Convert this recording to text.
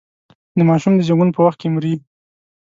د ماشوم د زېږون په وخت کې مري.